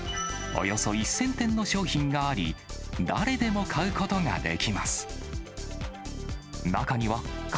およそ１０００点の商品があり、誰でも買うことができます。